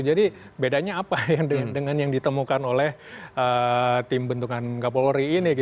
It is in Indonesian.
jadi bedanya apa dengan yang ditemukan oleh tim bentukan kapolri ini